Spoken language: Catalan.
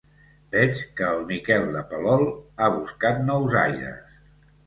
Veig que el Miquel de Palol ha buscat nous aires.